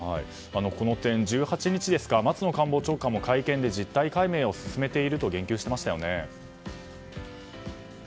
この点、１８日松野官房長官も会見で、実態解明を進めていると言及していましたよね。